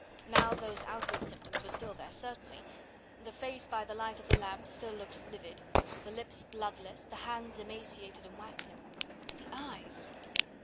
Now those outward symptoms were still there certainly; the face by the light of the lamp still looked livid, the lips bloodless, the hands emaciated and waxen, but the eyes!